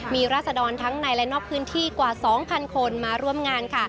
มีราศดรทั้งในและนอกพื้นที่กว่า๒๐๐คนมาร่วมงาน